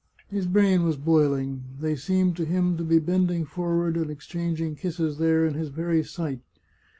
His brain was boiling. They seemed to him to be bend ing forward and exchanging kisses there in his very sight.